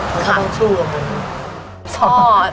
แล้วก็ต้องสู้กับมัน